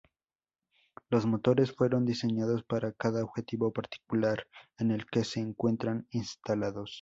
Los motores fueron diseñados para cada objetivo particular en el que se encuentran instalados.